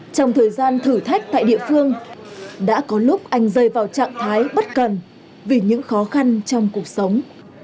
trong thời gian thử thách tại địa phương đã có lúc anh rơi vào trạng thái bất cần vì những khó khăn trong cuộc sống